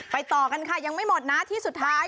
ต่อกันค่ะยังไม่หมดนะที่สุดท้าย